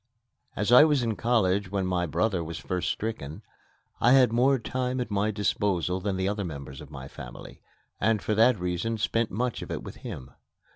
As I was in college when my brother was first stricken, I had more time at my disposal than the other members of the family, and for that reason spent much of it with him.